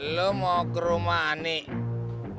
lo mau ke rumah anik